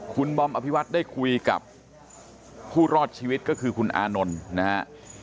คุณบอมอภิวัตได้คุยกับผู้รอดชีวิตก็คือคุณอานนท์นะฮะ